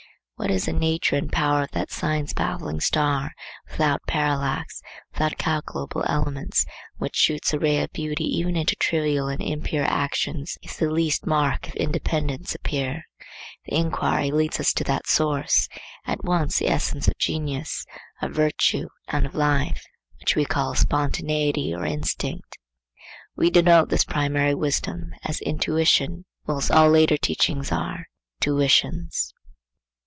What is the nature and power of that science baffling star, without parallax, without calculable elements, which shoots a ray of beauty even into trivial and impure actions, if the least mark of independence appear? The inquiry leads us to that source, at once the essence of genius, of virtue, and of life, which we call Spontaneity or Instinct. We denote this primary wisdom as Intuition, whilst all later teachings are tuitions.